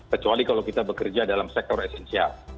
kecuali kalau kita bekerja dalam sektor esensial